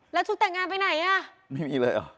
แล้วชุดแต่งงานไปไหนอ่ะไม่มีเลยเหรอ